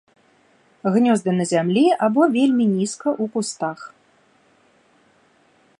Гнёзды на зямлі або вельмі нізка, у кустах.